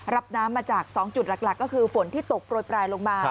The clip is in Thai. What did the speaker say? รับน้ำมาจาก๒จุดหลักก็คือฝนที่ตกโปรยปลายลงมา